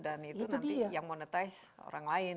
dan itu nanti yang monetize orang lain